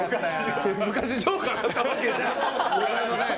昔ジョーカーだったわけじゃございません。